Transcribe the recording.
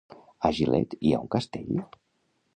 A Gilet hi ha un castell?